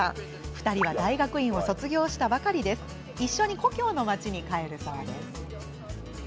２人は大学院を卒業したばかり一緒に故郷の街に帰るそうです。